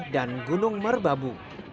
dan gunung merbabu